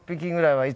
はい。